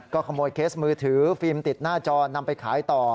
ขโมยเคสมือถือฟิล์มติดหน้าจอนำไปขายต่อ